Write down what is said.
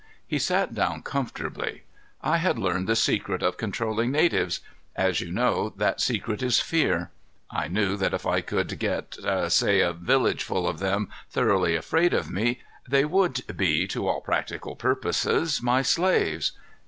He sat down comfortably. "I had learned the secret of controlling natives. As you know, that secret is fear. I knew that if I could get, say, a village full of them thoroughly afraid of me, they would be to all practical purposes my slaves.